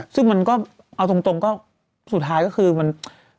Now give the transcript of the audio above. ซึ่งมันก็เอาตรงก็สุดท้ายก็คือมัน